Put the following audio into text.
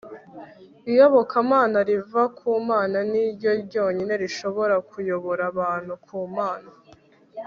iyobokamana riva ku mana ni ryo ryonyine rishobora kuyobora abantu ku mana